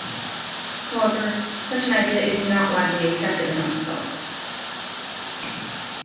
However, such an idea is not widely accepted among scholars.